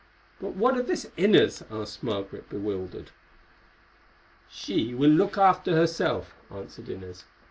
"But what of this Inez?" asked Margaret, bewildered. "She will look after herself," answered Inez.